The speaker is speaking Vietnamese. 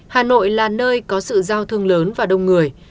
hà nội là nơi có sự giao thương lớn và đông người